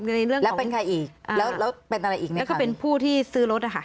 ในเรื่องแล้วเป็นใครอีกแล้วแล้วเป็นอะไรอีกเนี่ยแล้วก็เป็นผู้ที่ซื้อรถอ่ะค่ะ